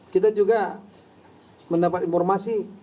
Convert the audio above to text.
kita juga mendapat informasi